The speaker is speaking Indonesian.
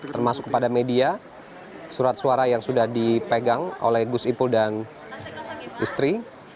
termasuk kepada media surat suara yang sudah dipegang oleh gus ipul dan istri